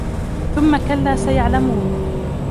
ثم كلا سيعلمون